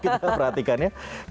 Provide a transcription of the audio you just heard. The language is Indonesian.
kalau kita perhatikannya